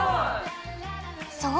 そう！